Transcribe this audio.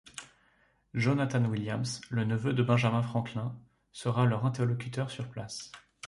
Jonathan Williams, le neveu de Benjamin Franklin, sera leur interlocuteur sur place.